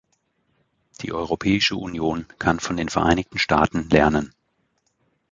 Die Europäische Union kann von den Vereinigten Staaten lernen.